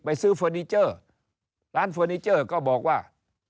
ซื้อเฟอร์นิเจอร์ร้านเฟอร์นิเจอร์ก็บอกว่า